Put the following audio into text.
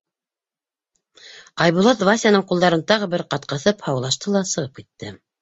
Айбулат Васяның ҡулдарын тағы бер ҡат ҡыҫып һаулашты ла сығып китте.